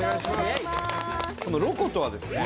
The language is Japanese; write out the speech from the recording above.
「ロコ」とはですね